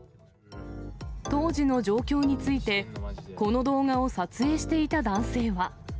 当時の状況について、この動画を撮影していた男性は。